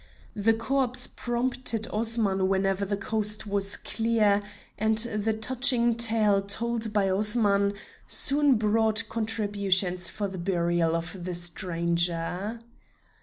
The corpse prompted Osman whenever the coast was clear, and the touching tale told by Osman soon brought contributions for the burial of the stranger.